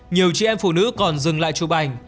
nhiều chị em phụ nữ còn dừng lại chụp ảnh